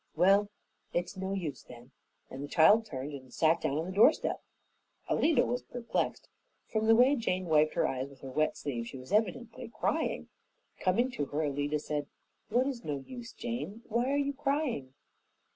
Well, it's no use then," and the child turned and sat down on the doorstep. Alida was perplexed. From the way Jane wiped her eyes with her wet sleeve, she was evidently crying. Coming to her, Alida said, "What is no use, Jane? Why are you crying?"